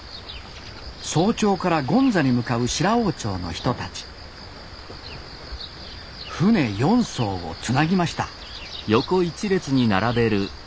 早朝から権座に向かう白王町の人たち船４そうをつなぎました